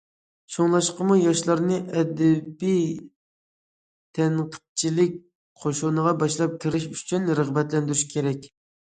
شۇڭلاشقىمۇ ياشلارنى ئەدەبىي تەنقىدچىلىك قوشۇنىغا باشلاپ كىرىش ئۈچۈن رىغبەتلەندۈرۈش كېرەك.